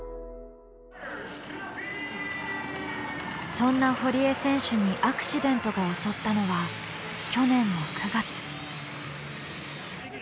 そんな堀江選手にアクシデントが襲ったのは去年の９月。